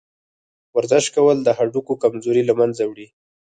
ورزش کول د هډوکو کمزوري له منځه وړي.